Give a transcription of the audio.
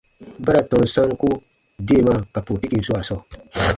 Ba ra tɔnu sanku deemaa ka pootikin swaa sɔɔ.